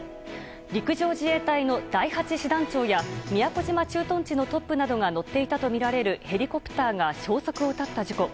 陸上自衛隊の第８師団長や宮古島駐屯地のトップなどが乗っていたとみられるヘリコプターが消息を絶った事故。